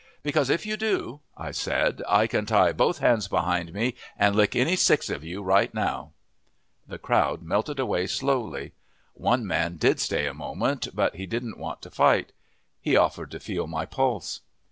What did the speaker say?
"Because if you do," I said, "I can tie both hands behind me and lick any six of you right now." The crowd melted away slowly. One man did stay a moment, but he didn't want to fight. He offered to feel my pulse.